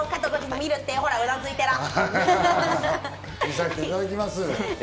見させていただきます。